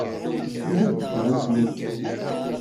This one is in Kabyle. Anda ay yečča imekli?